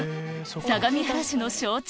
相模原市の象徴